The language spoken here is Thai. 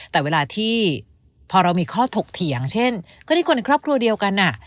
แต่เวลาที่พอเรามีข้อถกเถียงเช่นก็ที่คนในครอบครัวเดียวกัน